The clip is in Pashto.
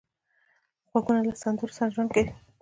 غوږونه له سندرو سره ژوند کوي